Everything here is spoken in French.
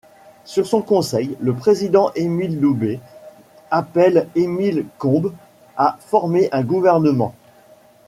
Sur son conseil, le président Émile Loubet appelle Émile Combes à former un gouvernement.